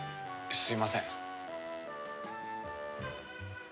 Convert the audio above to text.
すいません。